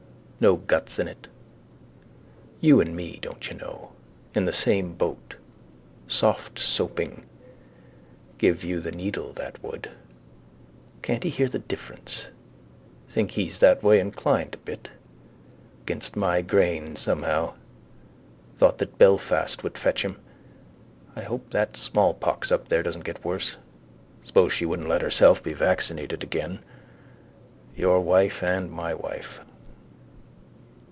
No guts in it. You and me, don't you know: in the same boat. Softsoaping. Give you the needle that would. Can't he hear the difference? Think he's that way inclined a bit. Against my grain somehow. Thought that Belfast would fetch him. I hope that smallpox up there doesn't get worse. Suppose she wouldn't let herself be vaccinated again. Your wife and my wife.